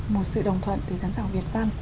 một sự đồng thuận từ giám khảo việt văn